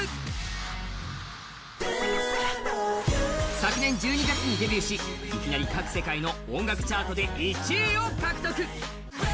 昨年１２月にデビューし、いきなり各国の音楽チャートで１位を獲得。